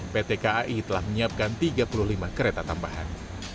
pt kai telah menyiapkan tiga puluh lima kereta tambahan